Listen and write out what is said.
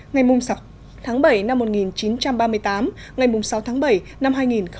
ngày mùng sọc tháng bảy năm một nghìn chín trăm ba mươi tám ngày mùng sáu tháng bảy năm hai nghìn một mươi tám